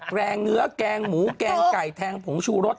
แรงเนื้อแกงหมูแกงไก่แทงผงชูรส